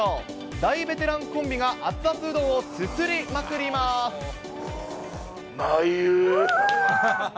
大ベテランコンビが熱々うどんをまいうー。